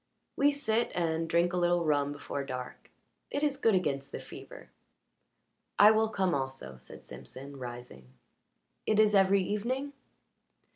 "We sit and drink a little rum before dark; it is good against the fever." "I will come also," said Simpson, rising. "It is every evening?"